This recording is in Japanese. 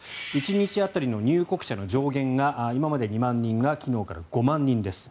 １日当たりの入国者の上限が今まで２万人が昨日から５万人です。